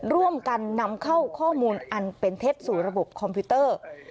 ร่วมกันนำเข้าข้อมูลอันเป็นเท็จสู่ระบบคอมพิวเตอร์